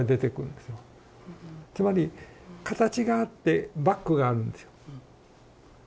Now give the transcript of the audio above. つまり形があってバックがあるんですよ。